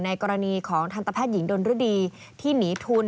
กรณีของทันตแพทย์หญิงดนฤดีที่หนีทุน